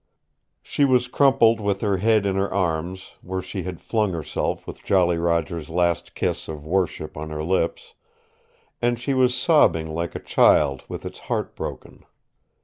She was crumpled with her head in her arms, where she had flung herself with Jolly Roger's last kiss of worship on her lips, and she was sobbing like a child with its heart broken.